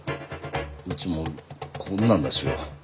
うちもこんなんだしよ。